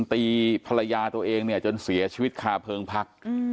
ตีภรรยาตัวเองจนเสียชีวิตค่าเพลิงพรรค